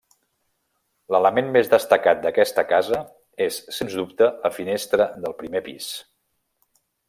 L'element més destacat d'aquesta casa, és sens dubte, la finestra del primer pis.